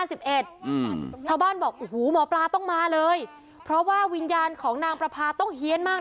ชาวบ้านบอกโอ้โหหมอปลาต้องมาเลยเพราะว่าวิญญาณของนางประพาต้องเฮียนมาก